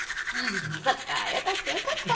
そっかよかったよかった。